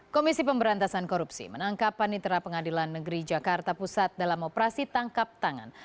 komisi pemberantasan korupsi menangkap panitera pengadilan negeri jakarta pusat dalam operasi tangkap tangan